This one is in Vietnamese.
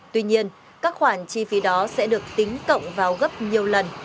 tuy nhiên các khoản chi phí đó sẽ được tính cộng vào gấp nhiều lần